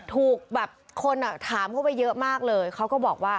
ถูกแบบคนถามเข้าไปเยอะมากเลยเขาก็บอกว่า